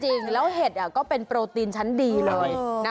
จริงแล้วเห็ดก็เป็นโปรตีนชั้นดีเลยนะ